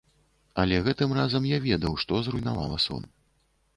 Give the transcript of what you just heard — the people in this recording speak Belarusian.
Але гэтым разам я ведаў, што зруйнавала сон.